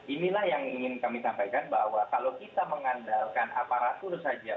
inilah yang ingin kami sampaikan bahwa kalau kita mengandalkan aparatur saja